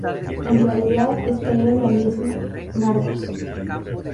En realidad, esta era la misma Markos.